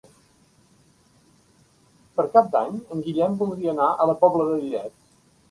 Per Cap d'Any en Guillem voldria anar a la Pobla de Lillet.